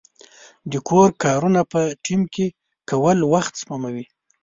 د کور کارونه په ټیم کې کول وخت سپموي.